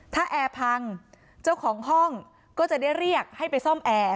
ถ้าแอร์พังเจ้าของห้องก็จะได้เรียกให้ไปซ่อมแอร์